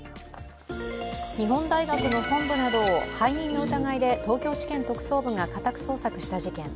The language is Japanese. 日本大学の本部などを背任の疑いで東京地検特捜部が家宅捜索した事件。